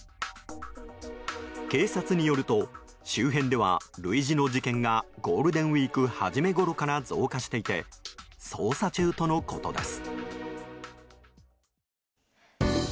警察によると周辺では、類似の事件がゴールデンウィーク初めごろから増加していて捜査中とのことです。